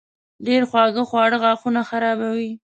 ډېر خواږه خواړه غاښونه خرابوي.